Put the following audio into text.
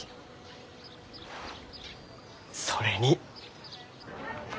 それに。